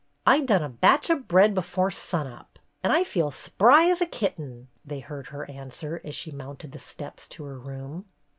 "I done a batch o' bread afore sunup, an' I feel spry 's a kitten," they heard her answer, as she mounted the steps to her room.